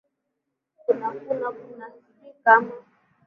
kuna kuna kuna sijui kama